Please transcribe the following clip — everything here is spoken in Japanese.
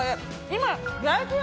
今。